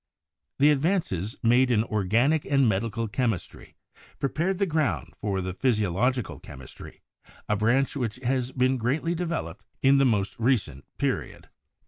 The advances made in organic and medical chemistry prepared the ground for physiological chemistry, a branch which has been greatly developed in the most recent period.